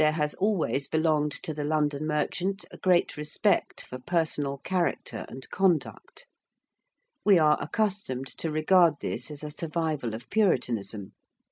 There has always belonged to the London merchant a great respect for personal character and conduct. We are accustomed to regard this as a survival of Puritanism.